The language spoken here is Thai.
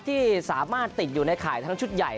ที่สามารถติดอยู่ในข่ายทั้งชุดใหญ่